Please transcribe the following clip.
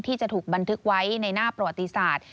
ที่จะถูกบันทึกไว้ในหน้าประวัติศาสตร์